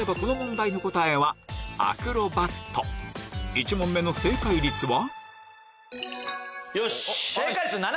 １問目の正解率は？